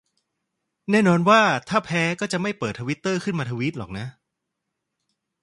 แน่นอนว่าถ้าแพ้ก็จะไม่เปิดทวิตเตอร์ขึ้นมาทวีตหรอกนะ